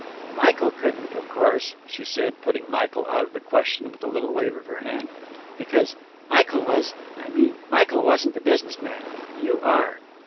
"Michael couldn't, of course," she said, putting Michael out of the question with a little wave of her hand, "because Michael was I mean, Michael wasn't a business man. You are."